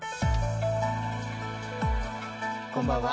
こんばんは。